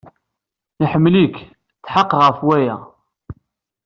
Iḥemmel-ik. Tḥeqqeɣ ɣef waya.